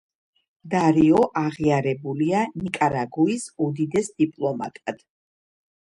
დარიო აღიარებულია ნიკარაგუის უდიდეს დიპლომატად.